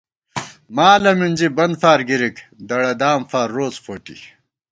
مالہ مِنزی بن فار گِرِک، دڑہ دام فار روڅ فوٹی